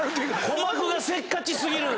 鼓膜がせっかちすぎる！